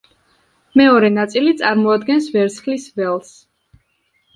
მეორე ნაწილი წარმოადგენს ვერცხლის ველს.